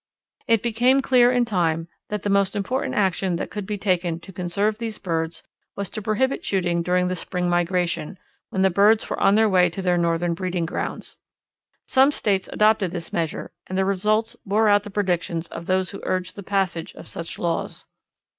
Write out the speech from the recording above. It became clear in time that the most important action that could be taken to conserve these birds was to prohibit shooting during the spring migration, when the birds were on their way to their northern breeding grounds. Some states adopted this measure and the results bore out the predictions of those who urged the passage of such laws.